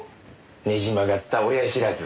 ねじ曲がった親知らず。